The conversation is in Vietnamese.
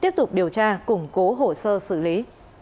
cung cố hồ sơ xử lý